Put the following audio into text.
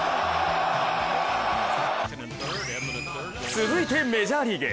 続いてメジャーリーグ。